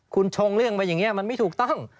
คุณชงเรื่องไปอย่างนี้มันไม่ถูกต้อง